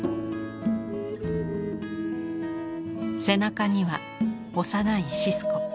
背中には幼いシスコ。